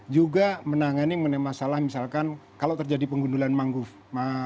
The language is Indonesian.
juga menangani mengenai masalah misalkan kalau terjadi penggundulan mangrove